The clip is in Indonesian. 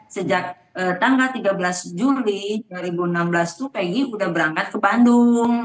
sejak tanggal tiga belas juli dua ribu enam belas itu egy sudah berangkat ke bandung